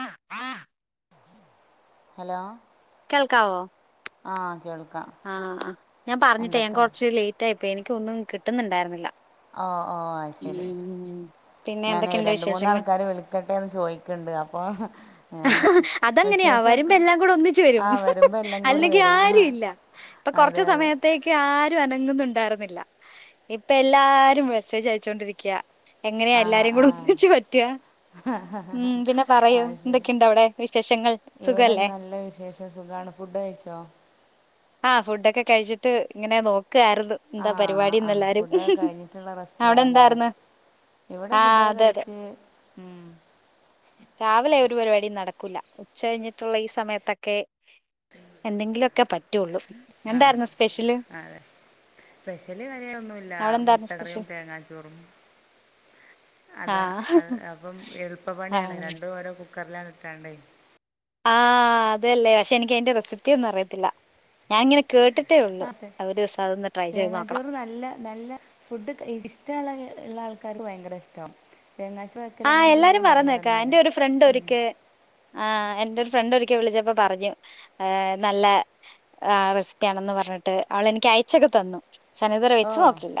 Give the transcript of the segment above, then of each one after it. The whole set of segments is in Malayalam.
ആ ആ ഹലോ കേൾക്കാവോ ആ കേൾ ആ ഞാൻ പറഞ്ഞിട്ടേ ഞാൻ കുറച്ച് ലേറ്റ് ആയിപ്പോ എനിക്കൊന്നും കിട്ടുന്നുണ്ടായിരുന്നില്ല ഓ ഓ ശരി ഉം പിന്നെ ഞാൻ എന്തൊക്കെയുണ്ട് രണ്ട് വിശേഷങ്ങൾ മൂന്നാൾക്കാർ വിളിക്കട്ടെന്ന് ചോദിക്കുന്നുണ്ട് അപ്പോൾ ഏ അതങ്ങനെയാ വരുമ്പോ വിശേഷമൊക്കെ എല്ലാം കൂടെ ഒന്നിച്ച് ആ വരും വരുമ്പോൾ എല്ലാം കൂടി വരും ആ അല്ലെങ്കിആരും ഇല്ല ഇപ്പൊ കുറച്ച അതെ അതെ സമയത്തേക്ക് ആരും അനങ്ങുന്നു ഇണ്ടേർനില്ല ഇപ്പ എല്ലാരും മെസ്സേജ് അയച്ചോണ്ടിരിക്കയാ എങ്ങനെയാ ആ എല്ലാരേ ആ കൂടെ ഒന്നിച്ച് പറ്റുക ഉം പിന്നെ പറയൂ അത് ശരി എന്തൊക്കെയുണ്ടോ അവിടെ വിശേഷങ്ങൾ സുഖല്ലേ ആ ഫുഡ് കഴിച്ചോ ആ ഫുഡ്ഒക്കെ കഴിച്ചിട്ട് ഇങ്ങനെ നോക്കാരുന്നു ആ എന്താ പരിപാടിന്ന് എല്ലാരും അവിടെ ലാവുല്ലേ എന്തായിരുന്നു ഇവിടെ ആഹ് ഫുഡ്ഒക്കെ അതെ അതെ കഴിച്ച് ഉം രാവിലെ ഒരു പരിപാടി നടക്കൂല ഉച്ച കഴിഞ്ഞിട്ടുള്ള ഈ സമയത്തൊക്കെ എന്തെങ്കിലുമൊക്കെ പറ്റുള്ളൂ എന്തായിരുന്നു സ്പെഷ്യല് സ്പെഷ്യലറിയാനൊന്നുല്ല അവിടെ എന്തായിരുന്നു മുട്ടകറിയും സ്പെഷ്യൽ തേങ്ങാച്ചോറും അതാ ആഹ് അ അപ്പം എളുപ്പ [unintelligible] ആഹ് രണ്ടും ഓരോ കുക്കറില ഇട്ടാണ്ടേ ആ അതല്ലേ പക്ഷെ എനിക്ക് അതിന്റെ റെസിപ്പി ഒന്നും അറിയത്തില്ല ഞാൻ ഇങ്ങനെ കേട്ട് അതെ തേങ്ങ നോക്കണം ചോറ് നല്ല നല്ല ഫുഡ് ഇൻക് ഇഷ്ടമുള്ള ഇള്ള ആൾക്കാര്ക്ക് ഭയങ്കര ഇഷ്ട്ട. ആ എല്ലാരും പറയുന്നെക്കാ എന്റെ ഒരു ഫ്രണ്ട് ഉം ഒരിക്കെ ആ എന്റെ ഒരു ഫ്രണ്ട് ഒരിക്കെ വിളിച്ചപ്പോ പറഞ്ഞു ഏ നല്ല ആ റെസിപ്പിണെന്ന് പറഞ്ഞിട്ട് അവൾ എനിക്ക് അയച്ചൊക്കെ തന്നു. ശനിതവരെ ഓ വെച്ച് നോക്കില്ല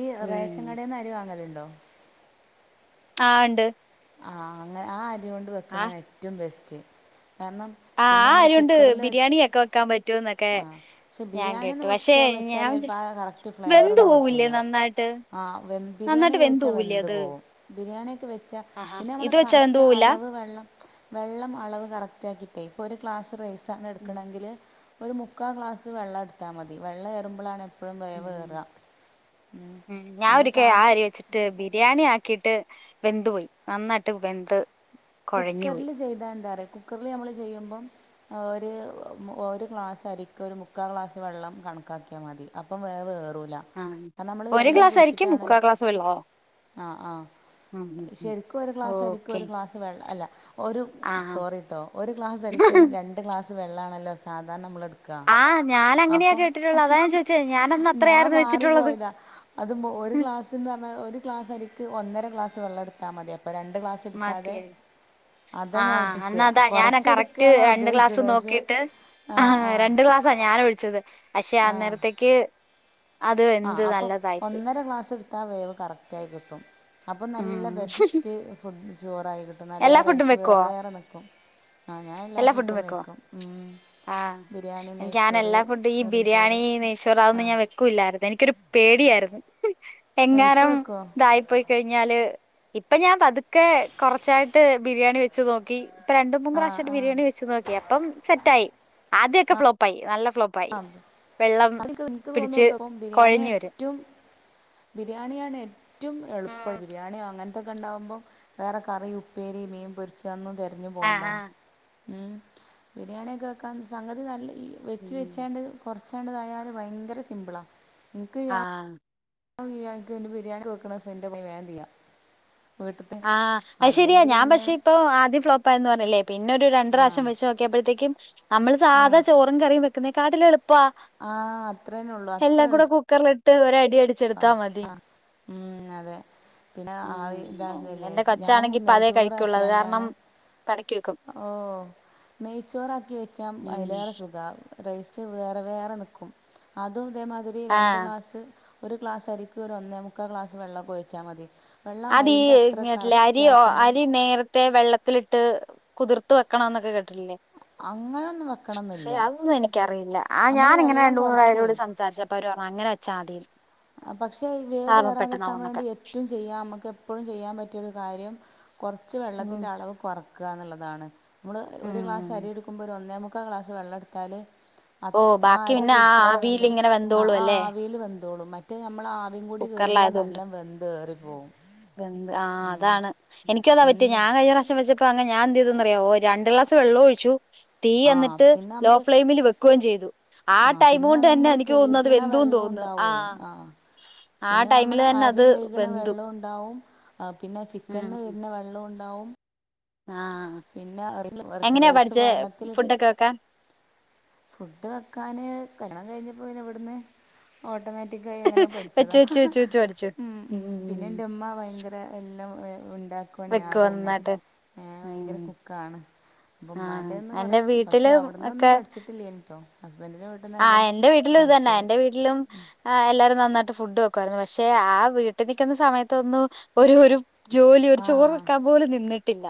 ഈ ഉം. റേഷൻ കടയിൽ നിന്ന് അരി വാങ്ങലുണ്ടോ ആ ഇണ്ട്. ആ അങ്ങനെ ആ അരിയോണ്ട് വെക്ക് ണാണ് ഏറ്റവും ബെസ്റ്റ്. കാരണം ആ പിന്നെ നമ്മൾ ആരിയോണ്ട് കുക്കറിൽ വെച്ച് ബിരിയാണിയൊക്കെ വെക്കാൻ പറ്റൂന്നൊക്കെ ആ പക്ഷെ ഞാൻ കേട്ടു ബിരിയാണിയെന്ന് പക്ഷേ വെച്ചാൽ വെച്ചാൽ ചൽപ്പോ ആ കറക്റ്റ് ഫ്ലെവർ ഒന്നും കിട്ടൂല നന്നായിട്ട്? ആ വെ ബിരിയാണി നന്നായിട്ട് പോവൂലേ വെന്ത് അത്? പോകു ബിരിയാണിയൊക്കെ വെച്ച ആഹാ പിന്നെ മ്മൾ ഇത് വെച്ചാ വെന്ത് പോവൂല? കററ്റളവ് വെള്ളം വെള്ളം അളവ് കറക്റ്റ് ആക്കീട്ടെ പ്പോ ഒരു ക്ലാസ് റൈസാണ് ഉം എടുക്കണങ്കിൽ ഒരു മുക്കൽ ഗ്ലാസ് വെള്ളം എടുത്താൽ മതി വെള്ളം എയറുമ്പോളാണ് മം ഞാൻ നമ്മൾ ഒരിക്കെ ആ സാധാ അരി വെച്ചിട്ട് ബിരിയാണി ആക്കീട്ട്. വെന്ത് പോയി നന്നായിട്ട് വെന്ത് കൊഴഞ്ഞു പോയി. കുക്കറില് ചെയ്താൽ ന്താറി കുക്കറിൽ നമ്മൾ ചെയ്യുബോ ആ ഒര് ഒരു ഗ്ലാസ് അരിക്ക് ഒരു മുക്കാൽ ഗ്ലാസ് വെള്ളം ക കണക്കാക്കിയൽ മതി അപ്പം വേമം വേ ആ ഒരു ക്ലാസ് അരിക്ക് മുക്കാ ക്ലാസ് വള്ളവോ? ആ ആ ശെരിക്ക് ഒരു ഗ്ലാസ് അരിക്ക് ഓക്കെ ഒരു ഗ്ലാസ് വെള്ള അല്ല ഒരു ആഹ് സോറിട്ടോ ഒരു ഗ്ലാസ് അരിക്ക് രണ്ട് ഗ്ലാസ് വെള്ളണല്ലോ സാധാരണ മ്മള്ട് ആ ഞാൻ അങ്ങനെയാ കേട്ടിട്ടുള്ളത് അതാ ചോദിച്ചേ ഞാനന്ന് ഞാൻ അത്രയായിരുന്നു വെച്ചിട്ടുള്ളത്. മാറിപ്പോയതാ അത് ഒരു ക്ലാസ്സ്ന്ന് പറഞ്ഞാ ഒരു ക്ലാസ്സ് അരിക്ക് ഒന്നര [unintelligible] ക്ലാസ്സ്‌ വെള്ളം എടുത്താ മതി അപ്പോ രണ്ട് ക്ലാസ്സ്‌ എടുക്കാതെ അതാ ആ ഞാൻ ഉദ്ദേശിച്ചത് അന്നതാ ഞാൻ കറക്റ്റ് കുറച്ചെടുക്കാന്നാ രണ്ട് ക്ലാസ് ഉദ്ദേശിച്ചത് പക്ഷെ നോക്കിട്ട്, ആ ആഹ ആ രണ്ട് ക്ലാസ്സാ ഞാൻ ഒഴിച്ചത് പക്ഷെ ആ അന്നേരത്തേക്ക്, അത് ആ വെന്ത് അപ്പൊ നല്ലതായിപ്പോയി ഒന്നര ഗ്ലാസ് ഇട്ത്താ വേവ് കറക്റ്റ ആയി കിട്ടും. അപ്പൊ നല്ല ഉം ബെസ്റ്റ് ഫുഡ് ചോറായി കിട്ടും എല്ലാ നല്ല ഫുഡും റൈസ് വെക്കുവോ വേറെ വേറെ നിൽക്കും. ആ ഞാൻ എല്ലാ ഫുഡും വെക്കും മം. ആഹ് എനിക്ക് ഞാൻ എല്ലാ ഫുഡും ഈ വെറും ബിരിയാണി ചോറ് നെയ്ച്ചോർ ആ അതൊന്നും ഞാൻ വെക്കൂല്ലായിരുന്നു എനിക്കൊരു പേടിയായിരുന്നു ഇപ്പോൾ എങ്ങാനും വെക്കുമോ ഇതായിപ്പോയി കഴിഞ്ഞാല് ഇപ്പൊ ഞാൻ പതുക്കെ കുറച്ചായിട്ട് ബിരിയാണി വെച്ച് നോക്കി ഇപ്പ രണ്ട് മൂന്ന് ആ പ്രാവശം [unintelligible] ആ ബിരിയാണി വെ നോക്കി അപ്പം സെറ്റായി ആദൊക്കെ ഫ്ലോപ്പായി നല്ല ഫ്ലോപ്പായി ആ വെള്ളം [unintelligible] എനിക്ക് പിടിച്ച് തോന്നൂട്ടോ ബിരിയാണി കൊഴഞ്ഞ് വരും ഏറ്റവും ബിരിയാണിയാണ്. റ്റവും എളുപ്പം ഉം ബിരിയാണി അങ്ങനത്തൊക്കെ ഉണ്ടാകുമ്പോൾ വേറെ കറി ഉപ്പേരി മീൻ പൊരിച്ചന്നും തെരഞ്ഞു പോണ്ട ആഹ് ആഹ് ഉം ബിരിയാണിയൊക്കെ വെക്കാൻ സംഗതി നല്ല ഈ വെച്ച് ഉം വെച്ചാണ്ട് കുറച്ചാണ്ട്തായാൽ ഭയങ്കര സിമ്പിളാ ആ [unintelligible] ബിരിയാണി വെക്കണേ [unintelligible] ആഹ് അത് ശരിയാ ഞാൻ പക്ഷെ ഇപ്പൊ ആദ്യം ഫ്ലോപ്പായെന്ന് പറഞ്ഞിലെ പിന്നെ ഒരു രണ്ട് ആ പ്രാവശ്യം വെച്ച് നോക്കിയപ്പോഴത്തേക്കും നമ്മള് ആ സാധാ ചോറും കറിയും വെക്കുന്ന കാട്ടിലും എളു ആ അത്രേനൊള്ളു അത്ര എളു കൂടെ കുക്കറിലിട്ട് ഒരടി അ അടിച്ചെടുത്താ മതി അ മം അതെ പിന്നെ ആയി [unintelligible] എന്റെ കൊച്ചാണെങ്കിൽ ഇപ്പതേ കഴിക്കുള്ളു അത് കാരണം പടി ഓ നെയ്ച്ചോറാക്കി വെച്ചാ ഉം അയിലേറെ സുഖ. റൈസ് വേറെ വേറെ നിൽക്കും. അതും ഇതേമാതിരി രണ്ട് ആഹ് ഗ്ലാസ്സ് ഒരു ക്ലാസായിരിക്കും. ഒരു ഒന്നേ മുക്കാ ക്ലാസ് വെള്ളക്കൊഴിച്ചാൽ മതി. വെള്ളം അതീ അരിൻ്റെ അത്ര ലെ കറക്റ്റ് അരി ഓ ആക്കുമ്പം അരി നേരത്തെ വെള്ളത്തിലിട്ട് ട്ട് കുതിർത്ത് വെക്കണംന്നൊക്കെ കേട്ടിട്ടില്ലേ. അങ്ങനൊന്നും വെക്കണംന്നില്ല ഏയ് അതൊന്നും എനിക്കറിയില്ല. ആ നമ്മള് ഞാനിങ്ങനെ വെള്ളം രണ്ട് കൊറച്ചേ മൂപേരോട് സംസാരിച്ചപ്പോ അവര് പറഞ്ഞു അങ്ങനെച്ചാ മതിയെന്ന്. പക്ഷെ ഈ വേവ് വേറാതെരിക്കാൻ വേണ്ടി ഏറ്റവും ചെയ്യാംമ്മക്ക് എപ്പോഴും ചെയ്യാൻ പറ്റിയൊരു കാര്യം കുറച്ച് ഉം വെള്ളത്തിന്റെ അളവ് കുറക്കുക എന്നുള്ളതാണ്. നമ്മൾ ഒരു ഗ്ലാസ്സ് ഉം അരി എടുക്കുമ്പോൾ ഒരു ഒന്നേമുക്കാൽ ഗ്ലാസ് വെള്ളം എടുത്താല് അത് ഓ ആ ബാക്കി അരി പിന്നെ ആ കുടിച്ചിട്ടാണല്ലോ ആവിയിലിങ്ങനെ ആ വെന്തോളൂ ആ അല്ലേ ആവിൽ വേന്തോളൂ മറ്റ മറ്റേ നമ്മൾ ആവിയും കൂടി കേറുമ്പോൾ നല്ല വെന്ത് എറിപ്പോവും. രണ്ട് ആഹ് അതാണ് എനിക്ക് അതാ പറ്റിയ എന്താ ഞാൻ കഴിഞ്ഞ പ്രാവശ്യം വെച്ച അപ്പ അങ്ങ് ഞൻ എന്ത് ചെയ്തെന്നറിയോ ഒ രണ്ട് ഗ്ലാസ് വെള്ളം ഒഴിച്ചു. തീ ആ എന്നിട്ട് പിന്നെ ലോ നമ്മൾ ഫ്ലെയിമിൽ വെക്കുകയും ചെയ്തു. ആ പിന്നെ ടൈമ്കൊണ്ട് തന്നെ നമ്മള് എനിക്ക് തോന്നുന്നു അത് കഴുകണ വെന്തുയെന്നു വെള്ളം തോന്നുന്നു. ആ ഉണ്ടാവുമേ ആ ടൈമില് തന്നെ അത് വെന്തു. ണ്ടാവും. ആ പിന്നെ ചിക്കനിന്ന് വരുന്ന വെള്ളം ഉണ്ടാവും. ആഹ! പിന്നെ ഇറച്ചി- എങ്ങനെയാ റൈസ് പഠിച്ചെ വെള്ളത്തിൽ ഫുഡൊക്കെ വെക്കാൻ. ഫുഡ് വെക്കാന് കല്യണം കഴിഞ്ഞപ്പോപിന്നെ ഇവിടുന്ന് ഓട്ടോമാറ്റി ട്ടി കഴിഞ്ഞ ങ്ങനെ വെച്ചു പഠിച്ചതാ. ഹ് വെച്ചു ഹ് വെച്ചു വെച്ചു പഠിച്ചു ഉം ഉം പിന്നെ എന്റെമ്മ ഭയങ്കര എല്ലാം ഉണ്ടാ ഉണ്ടാക്കുനെ വെക്കു ആദ്യം ന്നെ നന്നായിട്ട് ങേ ഭയങ്കര കുക്കാണ്. അപ്പം ഉമ്മാൻ്റെ നിന്ന് ആഹ എന്റെ കുറേ പക്ഷേ വീട്ടില് അവിടെ നിന്നൊന്നും ഒക്കെ പഠിച്ചിട്ടില്ല കേട്ടോ ഹസ്ബൻഡിൻ്റെ വീട്ടിൽ നിന്ന് ആഹ എല്ലാം എന്റെ വീട്ടിലും ഇതുതന്നെ പഠിച്ചത് എന്റെ വീട്ടിലും എല്ലാരും നന്നായിട്ട് ഫു ഫുഡ് വക്കുമായിരുന്നു. പക്ഷേ ആ വീട്ടിൽ നിക്കുന്ന സമയത്തൊന്നും ഒരു ഒരു ജോലി ആ ഒരു ആ, ചോറ് വയ്ക്കാൻ പോലും നിന്നിട്ടില്ല.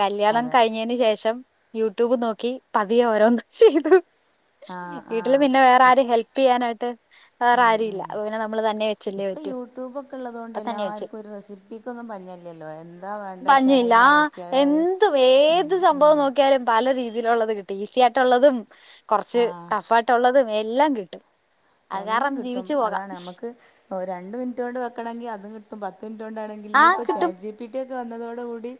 കല്യാണം അതെ കഴിഞ്ഞതിന് ശേഷം യൂട്യൂബ് നോക്കി പതിയെ ഓരോന്ന് ചെയ്തു. ആ വീട്ടില് പിന്നെ വേറെ ആര് ഹെല്പ് ചെയ്യാനായിട്ട്? വേറെ ഉം ആരും ഇല്ല ഉം അപ്പൊ പിന്നെ നമ്മള് തന്നെ വെച്ചല്ലേ ഇപ്പ പറ്റൂ യൂട്യൂബ് ഒക്കെള്ളത് കൊണ്ട് അപ്പൊ തന്നെ വെച്ച് എല്ലാർക്കും ഒരു റെസിപ്പിക്ക് ഒന്നും പഞ്ഞല്ല്യാല്ലോ? എന്താ വേണ്ടച്ചാല് പഞ്ഞില്ല ആയില് നോക്ക്യാലേല്. ന്ത് ഉം. ഉം. സംഭവം നോക്കിയാലും പലരീതിയിലൊള്ളത് കിട്ടും. ഈസി ആയിട്ടുള്ളതും. കുറച്ച് ആ ടഫ് ആയിട്ടുള്ളതും. എല്ലാം കിട്ടും. അത് എല്ലാം കാരണം കിട്ടും ജീവിച്ചു പോകാം അതാണ് നമ്മക്ക് ഓ രണ്ട് മിനിറ്റു കൊണ്ട് വെക്കണെങ്കി അതുകിട്ടും. പത്ത് മിനിറ്റ് കൊണ്ടണെങ്കിൽ ആ ഇഞ്ഞിപ്പോ കിട്ടും ചാറ്റ്ജി പി റ്റി ഒക്കെ വന്നപ്പോ വന്നതോടു കൂടി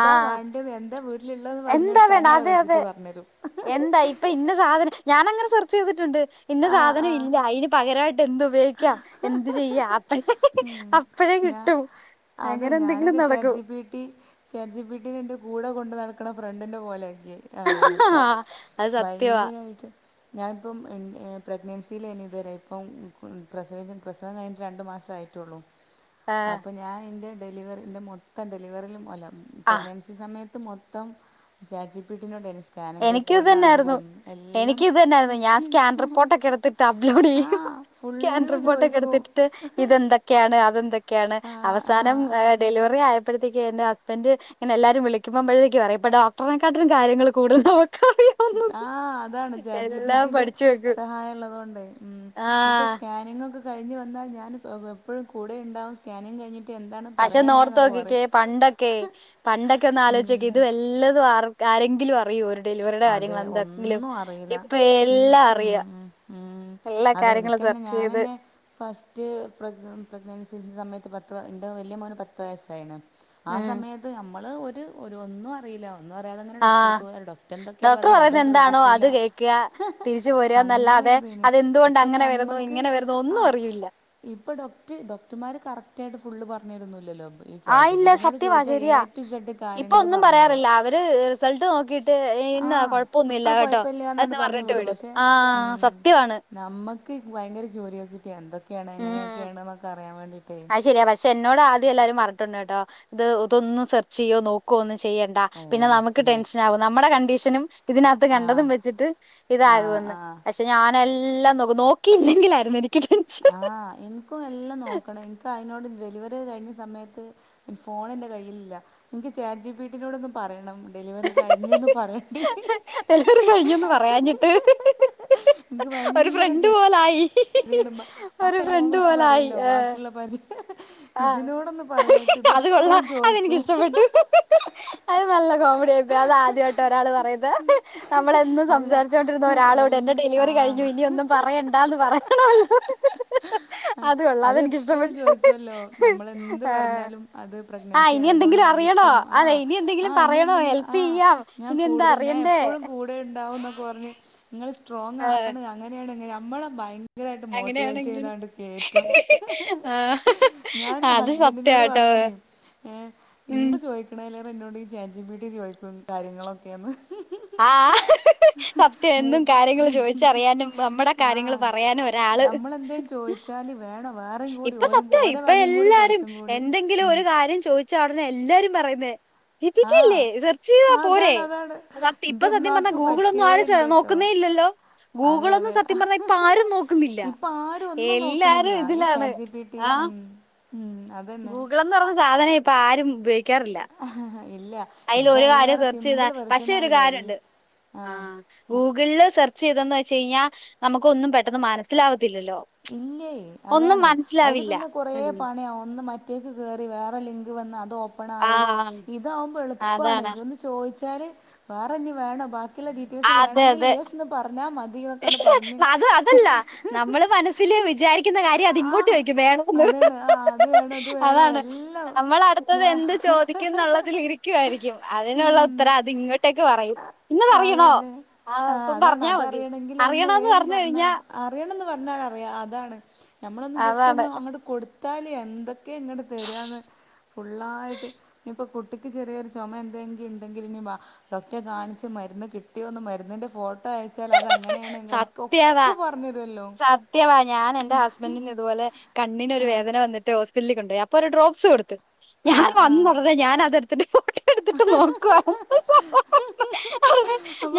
ആ വാണ്ട്ന്ന് എന്താ വീട്ടിലുള്ളത് ന്ന് പറഞ്ഞു എന്താ കൊടുത്താ വേണ്ട അതിനുള്ള അതെ അതെ റെസിപ്പി പറഞ്ഞരും. എന്താ ഇപ്പ ഇന്ന സാധനം ഞാനങ്ങനെ സെർച്ച് ചെയ്തിട്ടുണ്ട്. ഇന്ന ആ സാധനം ഇല്ല. ആ അതിന് പകരായിട്ട് എന്ത് ഉപയോഗിക്കാം? എന്ത്ചെയ്യാം? അപ്പഴെ ഉം. അപ്പ ഴേ ഞാൻ കിട്ടും. അതെ അങ്ങനെ എന്തെങ്കിലും ഞാനൊക്കെ ചാറ്റ് നടക്കും G P T chat G P ടിനേന്റെ കൂടെ കൊണ്ട് നടക്ക ക്കണ ഫ്രണ്ടിന്റെ പോലെയാക്കി. ആയിണപ്പ ആ, അത് സത്യവാ ഭയങ്കരായിട്ട് ഞാനിപ്പം എൻ്റെ പ്രഗ്നൻസിയിൽ എനി ഇതുവരെ ഇപ്പം പ്രസവിച്ച് പ്രസവം കഴിഞ്ഞട്ട് രണ്ട് മാസം ആയിട്ടുള്ളൂ. അപ്പോ ഞാൻ എന്റെ ഡെലിവറി എന്റെ മൊത്തം ഡെലിവറിയിലും അല്ല ആ പ്രഗ്നൻസി സമയ ത്ത് മൊത്തം ചാറ്റ് ജി പി ടി നോടേ സ്കാനിങ് എനിക്കും ഇത് റിപ്പോർട്ട് തന്നെയായിരുന്നു ആണെങ്കിലും എല്ലാം എനിക്കും ഇത് തന്നെയായിരുന്നു ഹും ഞാൻ സ്കാൻ റിപ്പോർട്ടൊക്കെ എടുത്തിട്ട് അപ്‌ലോഡ് ചെയ്യും. ക്യാൻ ഫുള്ള് റിപ്പോർട്ടൊക്കെ എടുത്തിട്ടിട്ട് ചോദിക്കും ഇതെന്തൊക്കെയാണ് അതെന്തെ ക്കെയാണ് ആഹ് അവസാനം ആഹ് ആഹ് ഡെലിവറി ആയക്ക്‌ പ്പഴത്തേക്ക് എന്റെ ഹസ്ബന്റ് ഇങ്ങന എല്ലാവരും വിളിക്കുമ്പം [unintelligible] പറയും ഇപ്പ ഡോക്ടനെക്കട്ടിലും കാര്യങ്ങള് കൂടുതൽ അവക്ക് ആ അതാണ് ചാറ്റ് ജി പി എല്ലാം ടിന്റെ പഠിച്ചു വെക്കും സഹായള്ളത് കൊണ്ടേ. ഉം ഇനിപ്പോ ആഹ് സ്കാനിങ് ഒക്കെ കഴിഞ്ഞ് വന്നാ ഞാൻ വ് എപ്പഴും കൂടെ ഉണ്ടാകും. സ്‌കാനിങ് കഴിഞ്ഞി പക്ഷേ ഒന്നോർത്തോക്കിക്കേ പണ്ടൊക്കെ പണ്ടൊക്കെ ഒന്ന് ആലോചിച്ചോക്ക് ഉം ഇത് വല്ലതും അറ ആരെങ്കിലും അറിയോ ഒര് അതെ ഒന്നും അറിയില്ല. ഇപ്പൊ ഇൻ എല്ലാം ഉം അറിയാം ഉം ഉം എല്ലാ അതെ കാര്യങ്ങളും എനിക്ക ന്ന സെർച്ച് ചെയ്ത് ഞാനെന്നെ ഫസ്റ്റ് പ്രഗ്ന പ്രഗ്നൻസി സമയ പത്ത് വ എന്റ വല്യ മോന് പത്ത് വയസ്സായിണ്. ആ ഉം സമയത്ത് ഞമ്മള് ഒര് ഒരു ഒന്നും അറിയില്ല. ഒന്നും അറിയാതെങ്ങനെ ഡോക്റടുത്ത് പോയി ഒരു ഡോ ഡോക്ടറ് പറയുന്ന എന്താണോ അത് കേക്കാ തിരിച്ചു അങ്ങനെ പോരാന്നല്ലാതെ, ഒരിതേനി അതെന്തുകൊണ്ട് ഇപ്പം അങ്ങനെ വരു ന്നു ഇങ്ങനെ വരുന്നോ ഒന്നും അറിയൂല്ല. ഇപ്പ ഡോക്ട് ഡോക്ടർമാര് കറക്റ്റായിട്ട് ഫുള്ള് പറഞ്ഞരുന്നുല്ലല്ലോ. ആ ഇല്ല സത്യവാ ശരിയാ. ഇസഡ് ഇപ്പോ കാര്യങ്ങൾ ഒന്നും പറഞ്ഞു തരും പറയാറില്ല. അവര് റിസൾട്ട് നോക്കി ട്ട് എന്നാ ആഹ് കൊഴപ്പൊന്നുല്ല അത് കേട്ടോ കൊഴപ്പല്ല്യാന്നാണ്ട് എന്ന് പറഞ്ഞു പറഞ്ഞിട്ട് വിടും. പക്ഷെ ആഹ സത്യവാണ്. ക്ക് ഭയങ്കര ക്യൂര്യോസിറ്റിയാ എന്തൊക്കെയാണ്? എങ്ങനെയൊക്കെയാണ്ന്നൊക്ക അ അയ്ശരിയാ. പക്ഷേ എന്നോട് ആദ്യം എല്ലാരും പറട്ടുണ്ട് കേട്ടോ ഇത് ഇതൊന്നും സെർച്ച് ചെയ്യോ നോക്കുവോ ഒന്നും ചെയ്യണ്ട പിന്നെ ഓഹ് നമക്ക് ഉം ടെൻഷനാവും നമ്മടെ കണ്ടീഷനും ഇതിനാത്ത് ആഹ് കണ്ടതും വെച്ചിട്ട് ആഹ് ഇതാകുവെന്ന്. ആഹ് പക്ഷേ ഞാനെല്ലാം നോക്കും. നോക്കിയില്ലെങ്കിലാ ആഹ എനിക്കും എല്ലാം നോക്കണേ ക്ക്‌ അയിനോട് ഡെലിവറി ഒക്കെ കഴിഞ്ഞ സമയത്ത് ഫോണെന്റെ കയ്യിലില്ല. എനിക്ക് ചാറ്റ് ജിപിറ്റിനോടൊന്ന് പ പറയണം ഡെലിവറി കഴിഞ്ഞൂന്ന് പറയണ്ടി ഡെലിവറി കഴിഞ്ഞൂന്ന് പറയാഞ്ഞിട്ട് ഒര് ഫ്രണ്ട് പോലായി. വീണുമ്പ ഒരു ബാക്കി ഫോൺ ഫ്രണ്ട് വിളിച്ച് പറയല്ലോ ബാക്കിയുള്ള പരി ആ ഇതിനോടൊന്ന് പറയായിട്ട് അത് കൊള്ളാം. ഇതെപ്പോഴും ചോദിക്കും അതെനിക്കിഷ്ടപ്പെട്ടു. അത് നല്ല കോ മഡി ആയിപ്പോയി. അത് ആദ്യായിട്ട ഒരാള് പറയുന്നേ. നമ്മളെന്നും അല്ല സംസാരിച്ചോണ്ടിരുന്ന ഒരാളോട് എൽ എന്റെ ആ ഡെലിവറി കഴിഞ്ഞു ഇനി ഒന്നും പറയണ്ടാന്ന് പറയണോല്ലോ അത് കൊള്ളാം അതെനിക്കിഷ്ടപ്പെട്ട് നോ നമ്മളെന്ത്‌ പറഞ്ഞാലും അത് ആഹ് പ്രെഗ്നൻസി ഇനി എന്തെങ്കിലും അറിയണോ അയതോണ്ടായിരിക്കും ആ അതെ ഇനി ആ എന്തെങ്കിലും പറയണോ ഇനിയെന്തെ ങ്കിലും ഹെൽപ് ആ ചെയ്യാം ഞാൻ ഇനി എന്താ കൂടുതൽ ഞാൻ അറിയണ്ടേ എപ്പോഴും കൂടെ ഉണ്ടാവുംന്നൊ പറഞ്ഞ് നിങ്ങള് സ്ട്രോങ്ങാണ് അങ്ങനെയാണ് മോട്ടിവേറ്റ് ടെയാണെങ്കിൽ ചെയ്താണ്ട് കയറ്റും ആ ഞാൻ എൻ്റെ അത് ഹസ്ബൻഡിനോട് സത്യാട്ടോ പറയണേ ഏ ഉം ഇന്ന് ചോദിക്കണേലേറെ എന്നോട് ഈ ചാറ്റ്ജിപിറ്റി ചോയിക്കും കാര്യങ്ങളൊക്കെയെന്ന് ആ സത്യം എന്നും കാര്യങ്ങള് ചോയിച്ചറിയാനും നമ്മടെ കാര്യങ്ങള് പറയാനും ഒരാ നമ്മളെന്ത്‌ ചോയിച്ചാലും വേണോ ഇപ്പ സത്യായി ഇപ്പ എല്ലാരും കുറച്ചും കൂടി എന്തെങ്കിലും ഉം. ഒരു കാര്യം ചോയിച്ചാ ഒടനെ എല്ലാരും പറയുന്നേ ആ ജിപിറ്റിയല്ലേ സെർച്ച് ചെയ്താ പോരെ അതാണ് അതാണ് സത്യം എൻ്റെ ഇപ്പ സത്യം പറഞ്ഞാ ഉമ്മാക്ക് ഗൂഗിളൊന്നും പറ്റുകേ ആരും സെ ഇല്ല കേട്ടോ നോക്കുന്നി ഇല്ലല്ലോ അതെ ഗൂഗിളൊന്നും അതെ സത്യം പറഞ്ഞാ ഇപ്പൊ ആരും നോക്കുന്നില്ല ഇപ്പൊ ആരും ഒന്നും എല്ലാരും നോക്കണില്ല്യാ ഈ ഇതിലാണ് ചാറ്റ്ജിപിറ്റീം ആഹ് ഗൂഗിളെന്ന് പറഞ്ഞ സാധനം ഇപ്പൊ ആരും ഉപയോഗിക്കാറില്ല ഇല്ല അയിൽ ഇത് ഒരു കാര്യം അതിലേറെ സെർച്ച് ചെയ്ത സിമ്പിൾ പക്ഷെ ഒരു വെർഷനായില്ലേ എൽ- കാര്യൊണ്ട് ആ ഗൂഗിളില് സെർ ചെയ്തെന്ന് വെച്ച് കഴിഞ്ഞാ നമുക്ക് ഒന്നും പെട്ടെന്ന് മനസ്സിലാവ ഇല്ലേ അതാണ് അയില് മനസ്സിലാവില്ല പിന്ന കൊറേ പണിയാവും ഒന്നും മന ടേക്ക് കേറി വേറെ ലിങ്ക് വന്ന അത് ഓപ്പൺ ആയി ആഹ് ഇതാവുമ്പോ എളുപ്പാണ് അതാണ് ഒന്ന് ചോ ച്ചാല് വേറെനി വേണോ ബാക്കിയുള്ള ഡീറ്റെയിൽസ് അതെ വേണങ്കിൽ അതെ യെസ്ന്ന് പറഞ്ഞാൽ മ അത് അതല്ല നമ്മള് മനസ്സില് വിചാരി ക്കുന്ന കാര്യം ആ അതിങ്ങോട്ട് ചോയിക്കും വേണോന്ന് അതാണ് ആ അത് വേണം ഇത് വേണം അതാണ് എല്ലാം നമ്മളടുത്തത് ഞാ എന്ത് ചോദിക്കന്നുള്ളതിൽ ഇരിക്കുവായിരിക്കും അതിനുള്ള ഉം ഉത്തരം അതിങ്ങോട്ടേക്ക് പറയും ഇന്നതറിയണോ അതന്നെ ആ പ്പ അതാണ് പറഞ്ഞാ മതി അതറിയണമെങ്കിൽ ഒന്ന് അറിയണോന്ന് ഏന്ന് പറഞ്ഞു പറഞ്ഞാ കഴിഞ്ഞാ അറിയണംന്ന് പറഞ്ഞാ അറിയാം അതാണ് നമ്മളൊന്ന് ജസ്റ്റ് അതാണ് ഒന്ന് അങ്ങോട്ട് കൊടുത്താല് എന്തൊ ക്കെ ഇങ്ങട്ട് തരാന്ന് ഫുള്ളായിട്ട് എ പ്പൊ കുട്ടിക്ക് ചെറിയൊരു ചൊമ എന്തെങ്കിണ്ടെങ്കിലിനി വാ ഡോക്ട്റെ കാണിച്ച് മരുന്ന് കിട്ടിയോന്ന് മരുന്നിന്റെ ഫോ ട്ടോ അയച്ചാൽ അത് അങ്ങനെയാണ് സത്യം അതാ ങ്ങക്കൊക്കെ പറഞ്ഞരുല്ലോ സത്യവാ ഞാൻ എന്റെ ഹസ്ബൻഡിന് ഇതുപോലെ കണ്ണിനൊരു വേദന വന്നിട്ട് ഓസ് പ്പിലി കൊണ്ടോയി അപ്പോ ഒരു ഡ്രോപ്സ് കൊടുത്ത് ഞാൻ വന്ന ഒടനെ ഞാൻ അതെടുത്തിട്ട് ഫോ അപോ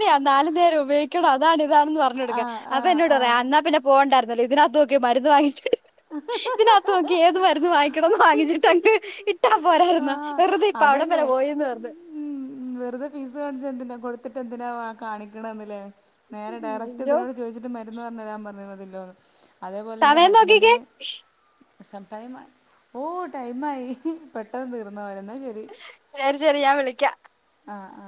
ത്യാ നാല് നേരം ഉപയോഗിക്കണം അതാണ് ഇതാണെന്ന് പറഞ്ഞ് ആ കൊടുക്കാൻ ആ അപ്പോ എന്നോട് പറയാ ആ അന്നാ പിന്നെ പോകണ്ടാർ ന്നലെ ഇതിനാത്ത് നോക്കി മരുന്ന് വാങ്ങിച്ച് ഇതിനകത്ത് നോക്കി ഏത് മരുന്ന് വാങ്ങിക്കണന്ന് വാങ്ങിച്ചിട്ട് അങ്ങ് ഇട്ടാൽ പോരാരുന്നോ ആഹ് വെറുതെ പ്പ അവിടം അതന്നെ വരെ പോയിന്ന് പറഞ്ഞ് ഉം വെറുതെ പീസ് കാണിച്ചതെന്തിന കൊടുത്തിട്ടെന്തിനാ കാണിക്കണേന്ന്ല്ലേ നേരെ ഡാരക്ട് അയ്യോ ഇതിനോട് ചോദിച്ചിട്ട് മരുന്ന് പറഞ്ഞ് തരാൻ പറഞ്ഞിണ്തിൽ മ്. അതേപോലെ ന്റെ ഹസ് ക്കിക്കേ സമ് ടൈമായി ഓ ടൈമായി പെട്ടെന്ന് തീർന്ന പോലെ എന്നാ ശരി ശരി ശരി ഞാൻ വിളിക്കാം ആ ആ